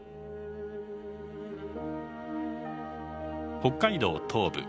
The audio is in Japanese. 北海道東部。